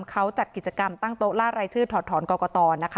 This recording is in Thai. เขาจัดกิจกรรมตั้งโต๊ะล่ารายชื่อถอดถอนกรกตนะคะ